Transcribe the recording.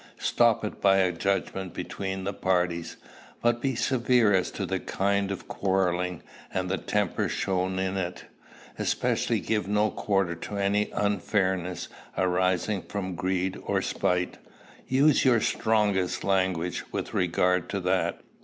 Stop it by a judgment between the parties. But be severe as to the kind of quarrelling, and the temper shown in it. Especially give no quarter to any unfairness arising from greed or spite. Use your strongest language with regard to that.